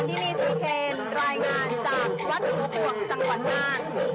ที่นี่จะเป็นรายงานจากวัฒนภพสังหวัดหน้า